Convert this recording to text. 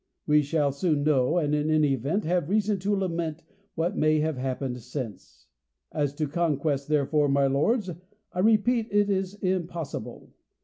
We shall soon know, and in any event, have reason to lament, what may have happened since. As to conquest, therefore, my lords, I repeat, it is impossible.